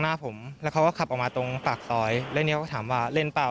หน้าผมแล้วเขาก็ขับออกมาตรงปากซอยแล้วเนี้ยก็ถามว่าเล่นเปล่า